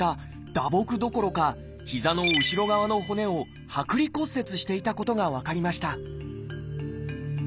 打撲どころか膝の後ろ側の骨を剥離骨折していたことが分かりました